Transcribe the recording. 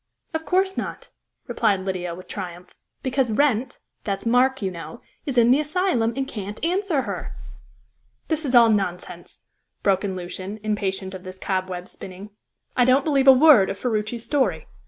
"Of course not," replied Lydia, with triumph, "because Wrent that's Mark, you know is in the asylum, and can't answer her." "This is all nonsense!" broke in Lucian, impatient of this cobweb spinning. "I don't believe a word of Ferruci's story.